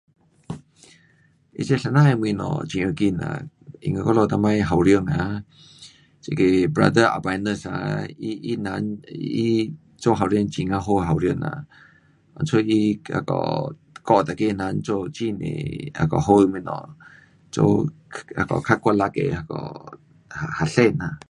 他这先生的东西很要紧啦，因为咱们以前校长啊，这个，brother Albinus 哈，他人，做校长很呀好的校长啊，因此他教每个人做好的东西，做较努力的学生啦。